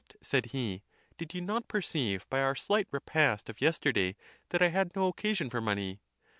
said he, " did you not perceive by our slight repast of yes terday that I had no occasion for money?"